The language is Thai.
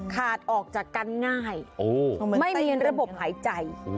ขาดออกจากกันง่ายไม่มีระบบหายใจ